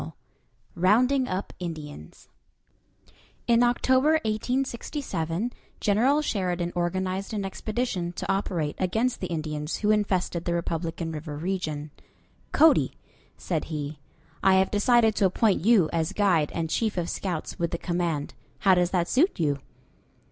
II ROUNDING UP INDIANS In October, 1867, General Sheridan organized an expedition to operate against the Indians who infested the Republican River region. "Cody," said he, "I have decided to appoint you as guide and chief of scouts with the command. How does that suit you?"